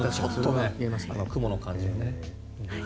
雲の感じとかね。